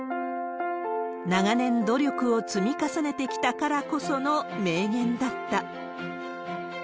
長年、努力を積み重ねてきたからこその名言だった。